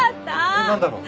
えっなんだろう？